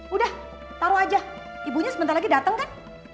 udah taruh aja ibunya sebentar lagi datang kan